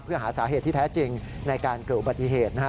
เพื่อหาสาเหตุที่แท้จริงในการเกิดอุบัติเหตุนะฮะ